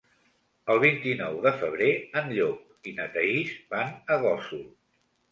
El vint-i-nou de febrer en Llop i na Thaís van a Gósol.